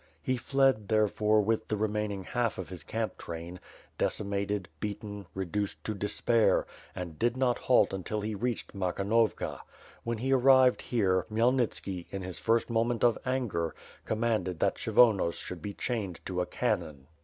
He fled, therefore, with the remain ing half of his camp train; decimated, beaten, reduced to despair, and did not halt until he reached Makhonovka. When he arrived here, Khmyelnitski, in his first moment of anger, commanded that Kshyvonos should be chained to a cannon. 398 WITH FIRE AND SWORD.